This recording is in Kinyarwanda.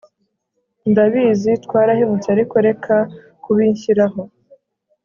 ndabizi twarahemutse ariko reka kubinshyiraho